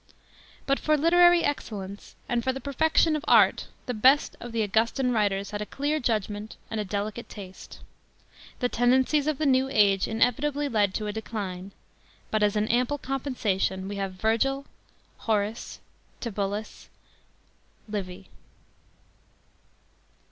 But for literary excellence and for the perfection of art the best of the Augustan writers had a clear judgment and a delicate taste. The tendencies of the new age inevitably led to a decline ; but, as an ample compensation, we have Virgil, Horace, Tibullus, Livy.